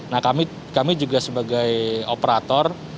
nah kami juga sebagai operator